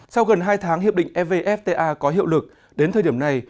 sau gần hai tháng hiệp định evfta có hiệu lực đến thời điểm này